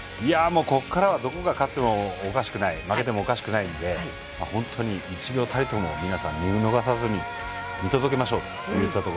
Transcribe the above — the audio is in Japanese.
ここからはどこが勝ってもおかしくない負けてもおかしくないので本当に１秒たりとも皆さん、見逃さずに見届けましょう。